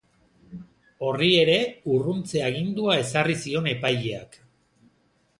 Horri ere urruntze-agindua ezarri zion epaileak.